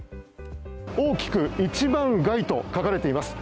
大きく一番街と書かれています。